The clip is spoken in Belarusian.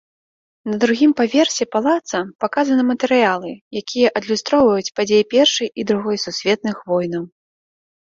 На другім паверсе палаца паказаны матэрыялы, якія адлюстроўваюць падзеі першай і другой сусветных войнаў.